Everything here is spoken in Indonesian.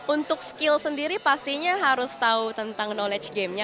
untuk skill sendiri pastinya harus tahu tentang knowledge gamenya